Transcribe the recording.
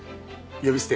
呼び捨て。